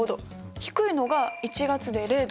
低いのが１月で０度。